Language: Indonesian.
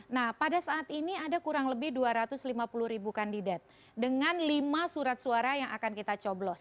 nah pada saat ini ada kurang lebih dua ratus lima puluh ribu kandidat dengan lima surat suara yang akan kita coblos